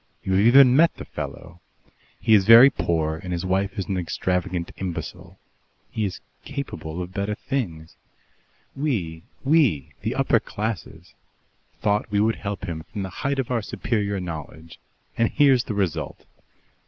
"You have even met the fellow. He is very poor and his wife is an extravagant imbecile. He is capable of better things. We we, the upper classes thought we would help him from the height of our superior knowledge and here's the result!"